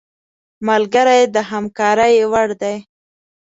ملګری د همکارۍ وړ دی